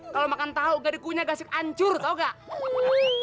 kalau makan tahu nggak dikunyah gasit hancur tau nggak